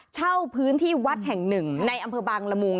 เช่าพื้นที่วัดแห่งหนึ่งในอำเภอบางละมุง